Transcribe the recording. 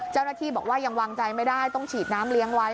เจ้าหน้าที่บอกว่ายังวางใจไม่ได้ต้องฉีดน้ำเลี้ยงไว้